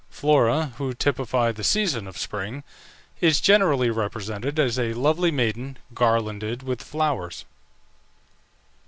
Flora, who typified the season of Spring, is generally represented as a lovely maiden, garlanded with flowers.